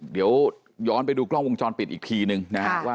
เดี๋ยวย้อนไปดูกล้องวงจรปิดอีกทีนึงนะฮะว่า